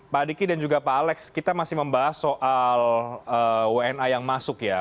pak adiki dan juga pak alex kita masih membahas soal wna yang masuk ya